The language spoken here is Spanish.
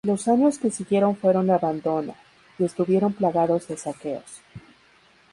Los años que siguieron fueron de abandono y estuvieron plagados de saqueos.